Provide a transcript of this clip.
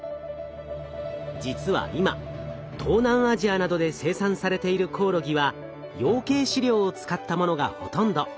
実は今東南アジアなどで生産されているコオロギは養鶏飼料を使ったものがほとんど。